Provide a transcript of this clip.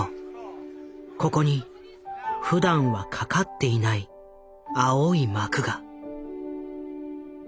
ここにふだんは掛かっていない青い幕が。